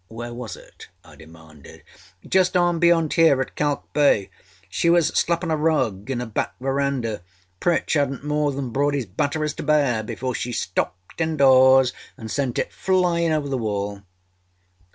â âWhere was it?â I demanded. âJust on beyond hereâat Kalk Bay. She was slappinâ a rug in a back verandah. Pritch hadnât more than brought his batteries to bear, before she stepped indoors anâ sent it flyinâ over the wall.